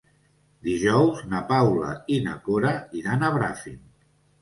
Dijous na Paula i na Cora iran a Bràfim.